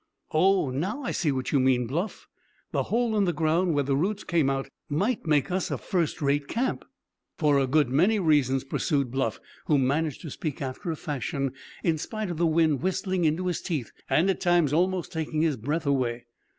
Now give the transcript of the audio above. "Oh, now I see what you mean, Bluff: the hole in the ground where the roots came out of might make us a first rate camp!" "For a good many reasons," pursued Bluff, who managed to speak after a fashion in spite of the wind whistling into his teeth and at times almost taking his breath away.